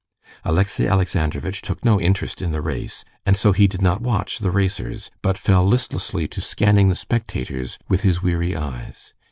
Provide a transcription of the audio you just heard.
Alexey Alexandrovitch took no interest in the race, and so he did not watch the racers, but fell listlessly to scanning the spectators with his weary eyes.